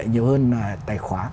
nhiều hơn là tài khoá